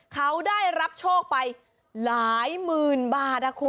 เขาได้รับโชคไปหลายหมื่นบาทนะคุณ